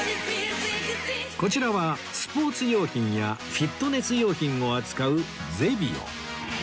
こちらはスポーツ用品やフィットネス用品を扱うゼビオ